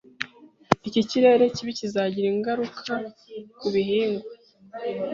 Iki kirere kibi kizagira ingaruka ku bihingwa.